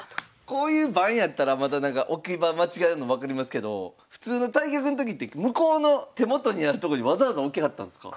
こういう盤やったらまだなんか置き場間違えるの分かりますけど普通の対局のときって向こうの手元にあるとこにわざわざ置きはったんですか？